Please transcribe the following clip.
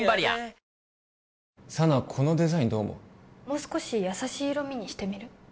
もう少し優しい色味にしてみる？